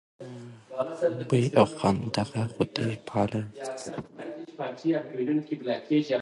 بوۍ او خوند دغه غدې فعالوي.